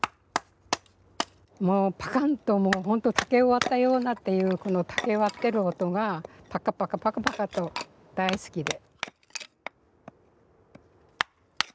もうパカンと本当竹を割ったようなっていうこの竹を割ってる音がパカパカパカパカと大好きで。